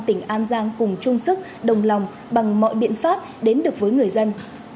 tỉnh an giang cùng chung sức đồng lòng bằng mọi biện pháp đến được với người dân